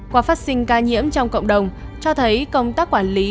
qua phát sinh ca nhiễm trong cộng đồng cho thấy công tác quản lý